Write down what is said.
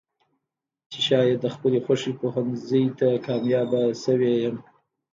چې شايد د خپلې خوښې پوهنځۍ ته کاميابه شوې يم.